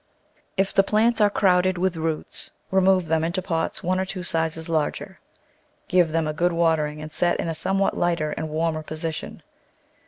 If the plants are crowded with roots remove them into pots one or two sizes larger. Give them a good watering and set in a somewhat lighter and warmer position.